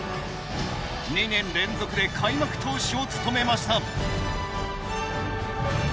２年連続で開幕投手を務めました。